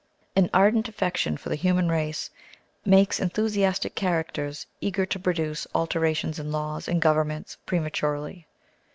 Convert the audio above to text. An ardent affection for the human race makes enthusiastic characters eager to produce alteration in laws and governments prematurely.